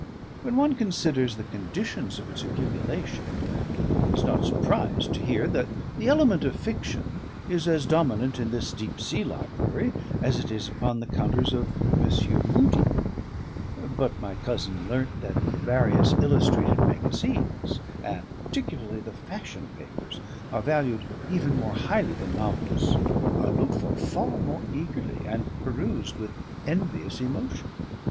When one considers the conditions of its accumulation, one is not surprised to hear that the element of fiction is as dominant in this Deep Sea Library as it is upon the counters of Messrs. Mudie; but my cousin learnt that the various illustrated magazines, and particularly the fashion papers, are valued even more highly than novels, are looked for far more eagerly and perused with envious emotion.